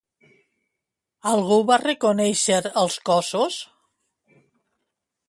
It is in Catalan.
Algú va reconèixer els cossos?